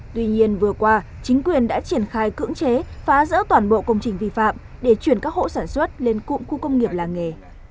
tuy nhiên vừa qua chính quyền đã triển khai cưỡng chế phá rỡ toàn bộ công trình vi phạm để chuyển các hộ sản xuất lên cụm khu công nghiệp làng nghề